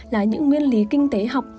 là những nguyên lý kinh tế học